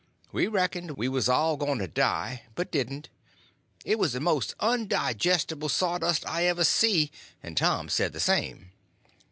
We reckoned we was all going to die, but didn't. It was the most undigestible sawdust I ever see; and Tom said the same.